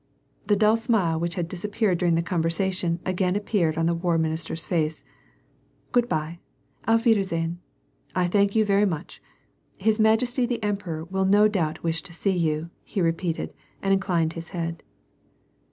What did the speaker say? * The dull smile which had disappeared during this conversar tion again appeared on the war minister's face. "Good by. Avf tciedersehen — I thank you very much. His majesty the emperor will no doubt wish to see you," he repeated, and inclined his head.